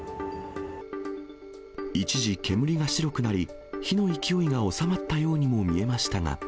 一時、煙が白くなり、火の勢いが収まったようにも見えましたが。